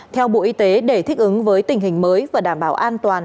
theo bộ y tế để thích ứng với tình hình mới và đảm bảo an toàn